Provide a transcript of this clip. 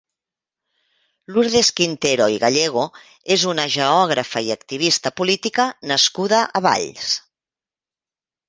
Lurdes Quintero i Gallego és una geògrafa i activista política nascuda a Valls.